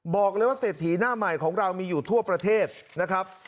บอกเลยว่าเศรษฐีหน้าใหม่ของเรามีอยู่ทั่วประเทศนะครับ